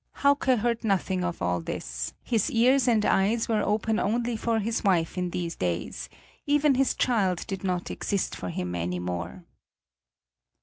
Hauke heard nothing of all this; his ears and eyes were open only for his wife in these days, even his child did not exist for him any more.